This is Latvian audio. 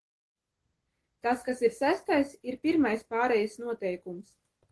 Tas, kas ir sestais, ir pirmais pārejas noteikums.